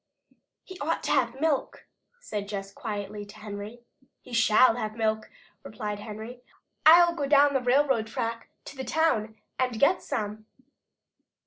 "He ought to have milk," said Jess quietly to Henry. "He shall have milk," replied Henry. "I'll go down the railroad track to the town and get some."